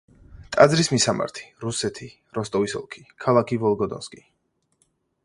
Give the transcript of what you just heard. ტაძრის მისამართი: რუსეთი, როსტოვის ოლქი, ქალაქი ვოლგოდონსკი.